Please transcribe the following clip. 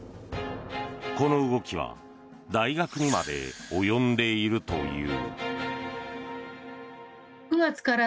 この動きは大学にまで及んでいるという。